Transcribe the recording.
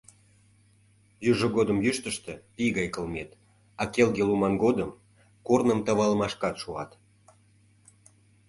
Южо годым йӱштыштӧ пий гай кылмет, а келге луман годым корным тавалымашкат шуат.